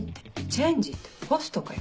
「チェンジ」ってホストかよ。